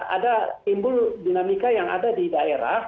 ada timbul dinamika yang ada di daerah